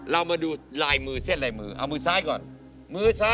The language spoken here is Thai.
เรามาดูลายมือเส้นลายมือ